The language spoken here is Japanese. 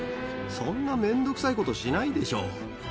そんな面倒くさいことしないでしょ。